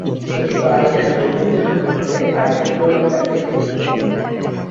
এটি পানিতে দ্রবীভূত করতে হাইড্রোক্লোরিক অ্যাসিড তৈরি করে।